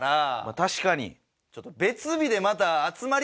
確かに。